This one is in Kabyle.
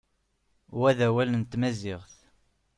Wa d awal n tmaziɣt.